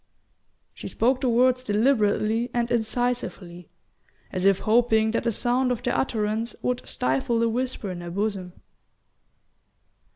She spoke the words deliberately and incisively, as if hoping that the sound of their utterance would stifle the whisper in her bosom.